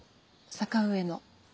坂上の。